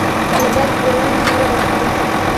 له بس ډریور نه مې وغوښتل.